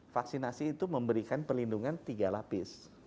vaksinasi itu memberikan perlindungan tiga lapis